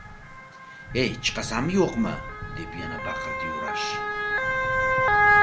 – Ey, chiqasanmi-yoʻqmi? – deb yana baqirdi Yurash.